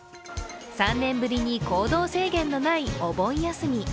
３年ぶりに行動制限のないお盆休み。